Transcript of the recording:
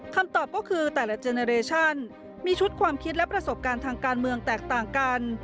คำตอบก็คือแต่ละเจเนอเรชั่นมีชุดความคิดและประสบการณ์ทางการเมืองแตกต่างกัน